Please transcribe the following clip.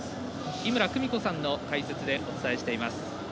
井村久美子さんの解説でお伝えしています。